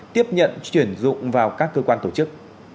tiếp nhận chuyển dụng vào các cơ quan tổ chức